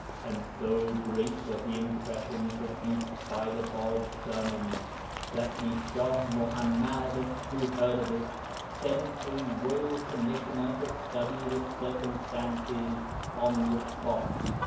And so great was the impression produced by the Bāb's sermon that the Shah Muḥammad, who heard of it, sent a royal commissioner to study the circumstances on the spot.